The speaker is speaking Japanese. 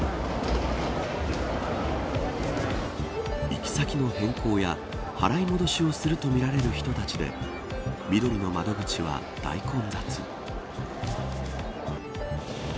行き先の変更や払い戻しをするとみられる人たちでみどりの窓口は、大混雑。